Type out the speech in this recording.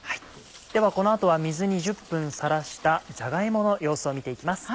ではこの後は水に１０分さらしたじゃが芋の様子を見て行きます。